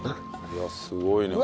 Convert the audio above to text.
いやすごいねこれ。